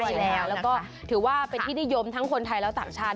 ใช่แล้วแล้วก็ถือว่าเป็นที่นิยมทั้งคนไทยและต่างชาติ